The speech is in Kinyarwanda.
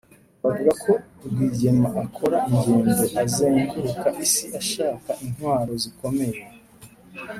bavuga ko rwigema akora ingendo azenguruka isi ashaka intwaro zikomeye.